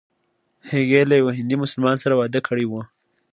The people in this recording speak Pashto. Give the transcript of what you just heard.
هغې له یوه هندي مسلمان سره واده کړی و.